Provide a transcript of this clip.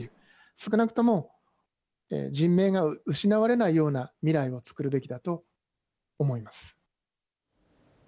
少なくとも、人命が失われないような未来を作るべきだと思います。